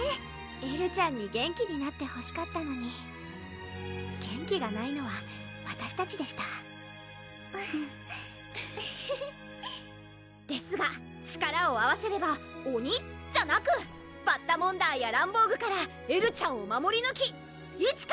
エルちゃんに元気になってほしかったのに元気がないのはわたしたちでしたですが力を合わせれば鬼じゃなくバッタモンダーやランボーグからエルちゃんを守りぬきいつか！